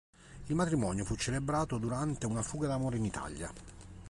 Il matrimonio fu celebrato durante una fuga d'amore in Italia.